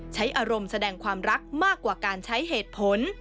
ใช้อารมณ์แสดงความรักมากกว่าการใช้เหตุผล